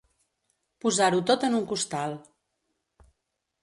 Posar-ho tot en un costal.